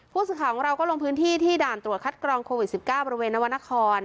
ผู้สื่อข่าวของเราก็ลงพื้นที่ที่ด่านตรวจคัดกรองโควิด๑๙บริเวณนวรรณคร